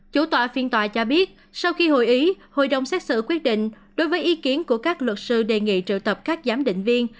chủ tọa phiên tòa cho biết sau khi hội ý hội đồng xét xử quyết định đối với ý kiến của các luật sư đề nghị triệu tập các giám định viên